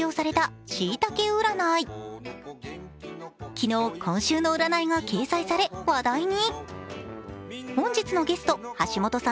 昨日、今週の占いが掲載され話題に。